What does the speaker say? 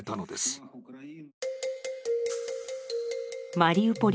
マリウポリ